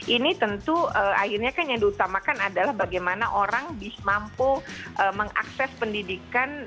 ini tentu akhirnya kan yang diutamakan adalah bagaimana orang mampu mengakses pendidikan